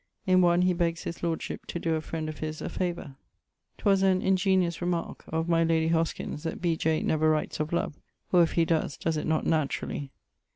In one he begges his lordship to doe a friend of his a favour. 'Twas an ingeniose remarque of my lady Hoskins, that B. J. never writes of love, or if he does, does it not naturally.